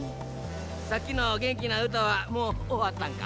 さっきのげんきなうたはもうおわったんか？